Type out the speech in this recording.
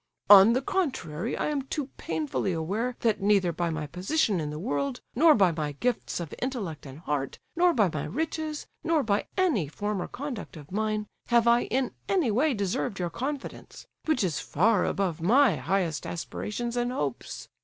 "On the contrary, I am too painfully aware that neither by my position in the world, nor by my gifts of intellect and heart, nor by my riches, nor by any former conduct of mine, have I in any way deserved your confidence, which is far above my highest aspirations and hopes.